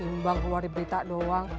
timbang keluar di berita doang